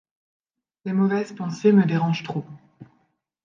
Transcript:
Les mauvaises pensées me dérangent trop.